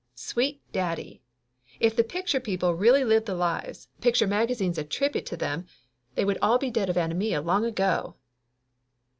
Sweet daddy! If the picture people really lived the lives the picture 12 Laughter Limited magazines attribute to them they would all be dead of anaemia long ago!"